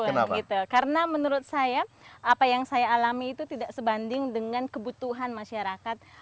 betul karena menurut saya apa yang saya alami itu tidak sebanding dengan kebutuhan masyarakat